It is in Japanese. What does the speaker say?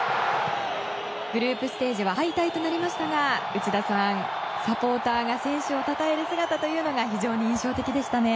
グループステージは敗退となりましたが内田さん、サポーターが選手をたたえる姿が非常に印象的でしたね。